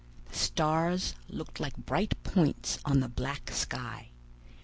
The stars looked like bright points on the black sky.